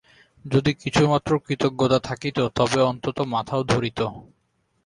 যদি কিছুমাত্র কৃতজ্ঞতা থাকিত তবে অন্তত মাথাও ধরিত।